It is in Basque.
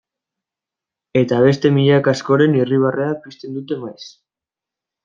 Eta beste milaka askoren irribarrea pizten dute maiz.